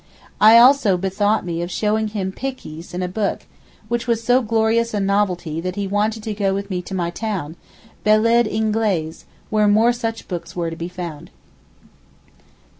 I also bethought me of showing him 'pickys' in a book, which was so glorious a novelty that he wanted to go with me to my town, 'Beled Ingleez,' where more such books were to be found.